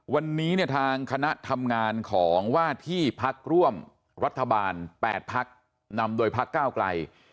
วันนี้เนี่ยทางคณะทำงานของว่าที่พักร่วมรัฐบาล๘พักนำโดยพักก้าวไกล